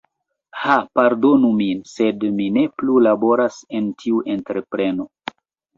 Ha pardonu min, sed mi ne plu laboras en tiu entrepreno.